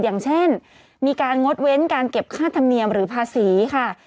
อย่างเช่นมีการงดเว้นการเก็บค่าธรรมเนียมหรือภาษีค่ะ